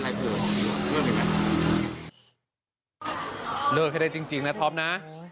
เลิกให้ได้จริงนะท็อปนะ